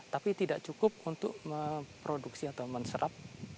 tapi tidak cukup untuk memproduksi atau menserap